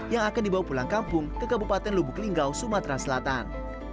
yang akan dibawa pulang kampung ke kabupaten lubuk linggau sumatera selatan